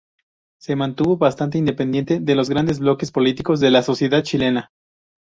Se mantuvo bastante independiente de los grandes bloques políticos de la sociedad chilena.